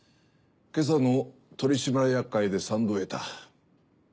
今朝の取締役会で賛同を得た。